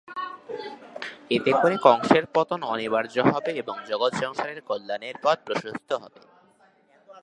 এতে করে কংসের পতন অনিবার্য হবে এবং জগৎ সংসারের কল্যাণের পথ প্রশস্ত হবে।